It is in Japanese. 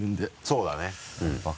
そうだね。